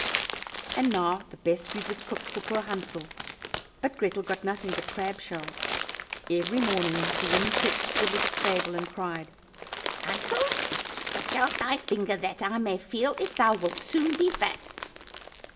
And now the best food was cooked for poor Hansel, but Grethel got nothing but crab shells. Every morning the woman crept to the little stable, and cried, "Hansel, stretch out thy finger that I may feel if thou wilt soon be fat."